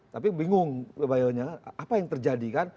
tapi bingung bionya apa yang terjadi kan